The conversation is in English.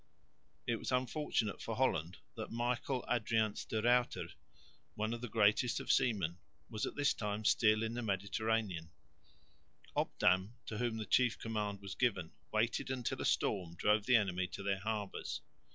It was unfortunate for Holland that Michael Adriansz de Ruyter, one of the greatest of seamen, was at this time still in the Mediterranean Obdam, to whom the chief command was given, waited until a storm drove the enemy to their harbours.